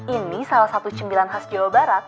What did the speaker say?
ini salah satu cemilan khas jawa barat